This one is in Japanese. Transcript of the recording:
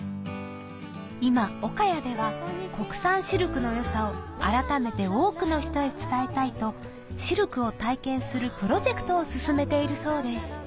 今岡谷では国産シルクの良さを改めて多くの人へ伝えたいとシルクを体験するプロジェクトを進めているそうです